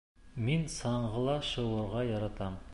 — Мин саңғыла шыуырға яратам.